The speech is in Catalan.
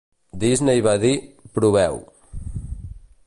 Disney va dir: "Proveu."